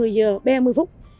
một mươi giờ ba mươi phút